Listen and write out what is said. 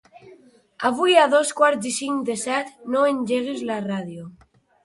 Avui a dos quarts i cinc de set no engeguis la ràdio.